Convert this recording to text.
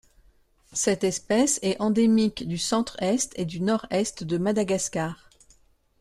Cette espèce est endémique du centre-Est et du Nord-Est de Madagascar.